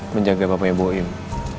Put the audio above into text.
menjaga bapaknya ibu ibu